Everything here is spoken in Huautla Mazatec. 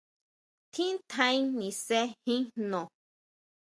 Tjín tjaen nise jin jno.